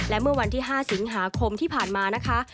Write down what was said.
และเมื่อวันที่๕สิงหาคมที่ผ่านมานะคะ